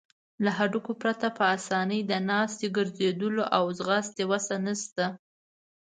له هډوکو پرته په آسانۍ د ناستې، ګرځیدلو او ځغاستې وسه نشته.